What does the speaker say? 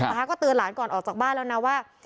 ก็เตือนหลานก่อนออกจากบ้านแล้วนะว่า